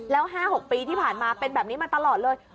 แล้ว๕๖ปีที่ผ่านมาเป็นแบบนี้มาตลอดเลย